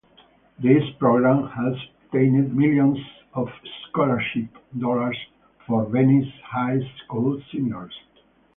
This program has obtained millions of scholarship dollars for Venice High School seniors.